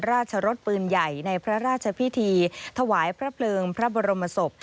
รสปืนใหญ่ในพระราชพิธีถวายพระเพลิงพระบรมศพ